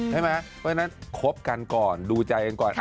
เพราะฉะนั้นคบกันก่อนดูใจกันก่อน